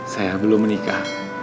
saya belum menikah